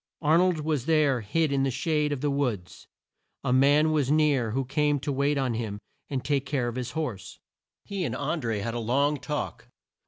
Ar nold was there hid in the shade of the woods. A man was near who came to wait on him and take care of his horse. He and An dré had a long talk.